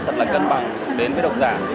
thật là cân bằng đến với độc giả